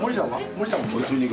森さん。